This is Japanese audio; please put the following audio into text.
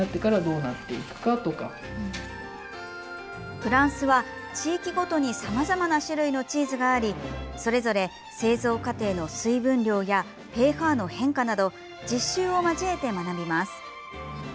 フランスは地域ごとにさまざまな種類のチーズがありそれぞれ製造過程の水分量やｐＨの変化など実習を交えて学びます。